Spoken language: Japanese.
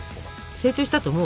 成長したと思う？